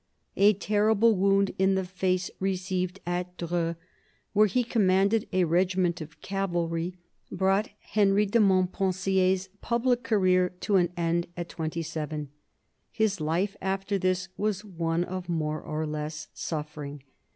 A terrible wound in the face received at Dreux, where he commanded a regiment of cavalry, brought Henry de Montpensier's public career to an end at twenty seven. His life, after this, was one of more or less suffering.